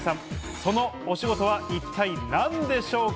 そのお仕事は一体、何でしょうか？